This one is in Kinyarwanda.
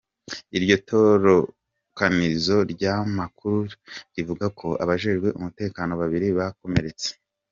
Iryo tororokanirizo ry'amakuru rivuga ko abajejwe umutekano babiri bakomeretse.